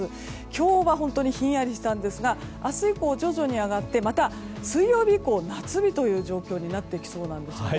今日は本当にひんやりしたんですが明日以降、徐々に上がってまた水曜日以降、夏日という状況になってきそうです。